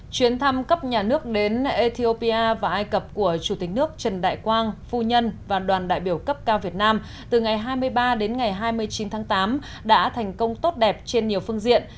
chuyến thăm cấp nhà nước đến ethiopia và ai cập của chủ tịch nước trần đại quang phu nhân và đoàn đại biểu cấp cao việt nam từ ngày hai mươi ba đến ngày hai mươi chín tháng tám đã thành công tốt đẹp trên nhiều phương diện